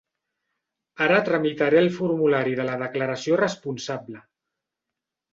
Ara tramitaré el formulari de la declaració responsable.